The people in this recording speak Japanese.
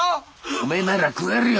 おめえなら食えるよ。